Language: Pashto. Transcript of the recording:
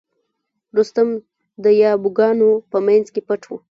رستم د یابو ګانو په منځ کې پټ و.